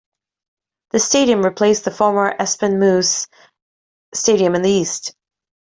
The stadium replaced the former Espenmoos stadium in the east.